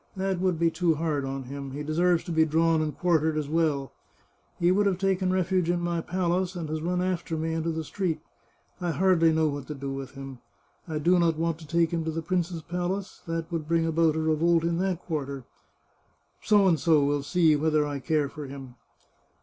That would be too hard on him ; he deserves to be drawn and quartered as well ! He would have taken refuge in my palace, and has run after me into the street. I hardly know what to do with him. ... I do not want to take him to the prince's palace ; that would bring about a revolt in that quarter. F will see whether I care for him.